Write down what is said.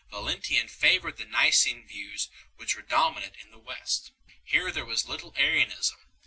Valcntinian favoured the Nicene views which were domi nant in the West. Here there was little Arianism.